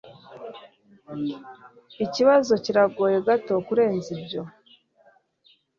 ikibazo kiragoye gato kurenza ibyo